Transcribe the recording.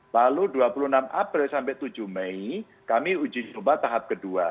lalu dua puluh enam april sampai tujuh mei kami uji coba tahap kedua